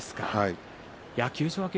休場明け